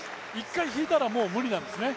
１回引いたら無理なんですね。